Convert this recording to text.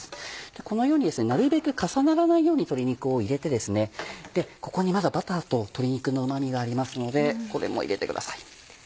このようになるべく重ならないように鶏肉を入れてここにまだバターと鶏肉のうま味がありますのでこれも入れてください。